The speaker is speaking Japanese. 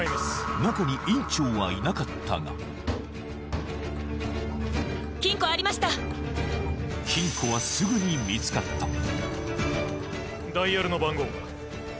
中に院長はいなかったが金庫ありました金庫はすぐに見つかったダイヤルの番号は？